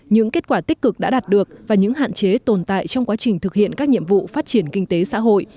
những kết quả tích cực đã đạt được và những hạn chế tồn tại trong quá trình thực hiện các nhiệm vụ phát triển kinh tế xã hội